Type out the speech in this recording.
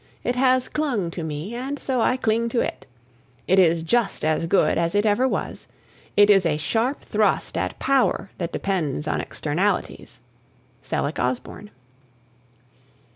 It has clung to me and so I cling to it. It is just as good as it ever was. It is a sharp thrust at power that depends on externalities. Selleck Osborne.